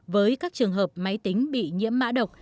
với các trường hợp máy tính bị nhiễm mã độc